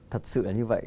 thật sự là như vậy